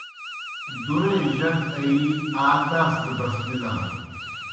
دُورے جک آیِی آ داس دہ بسمِلان۔